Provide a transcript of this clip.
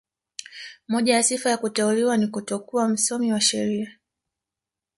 Moja ya sifa ya kuteuliwa ni kutokuwa msomi wa sheria